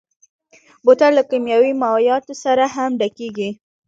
بوتل له کيمیاوي مایعاتو سره هم ډکېږي.